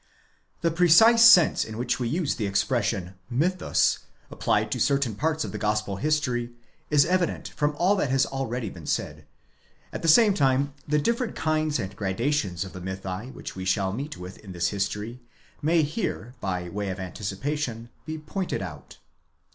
The precise sense in which we use the expression mythus, applied to certain parts of the gospel history, is evident from all that has already been said ; at the same time the different kinds and gradations of the mythi which we shall meet with in this history may here by way of anticipation be pointed out.